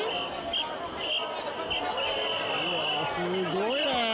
うわー、すごいなあ。